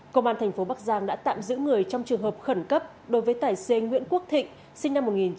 công an thành phố bắc giang đã tạm giữ người trong trường hợp khẩn cấp đối với tài xế nguyễn quốc thịnh sinh năm một nghìn chín trăm tám mươi